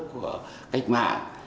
của cách mạng